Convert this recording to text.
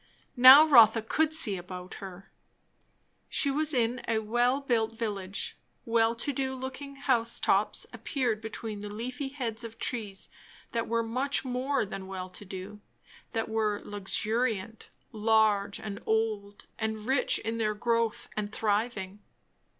Now Rotha could see about her. She was in a well built village. Well to do looking house tops appeared between the leafy heads of trees that were much more than "well to do"; that were luxuriant, large, and old, and rich in their growth and thriving.